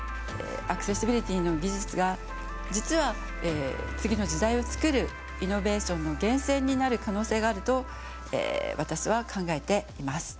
アクセシビリティーの技術が実は次の時代を作るイノベーションの源泉になる可能性があると私は考えています。